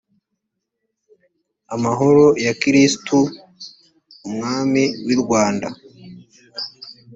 amahoro ya kristu umwami wurwanda